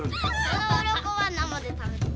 そのうろこは生で食べる。